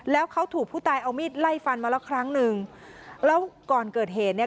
แล้วเขาถูกผู้ตายเอามีดไล่ฟันมาแล้วครั้งหนึ่งแล้วก่อนเกิดเหตุเนี่ย